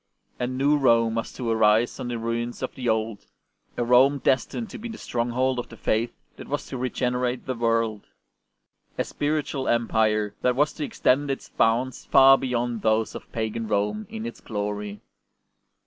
A new Rome was to arise on the ruins of the old, a Rome destined to be the stronghold of the Faith that was to regenerate the world ; a spiritual Empire that was to extend its bounds far beyond those of pagan Rome in its glory.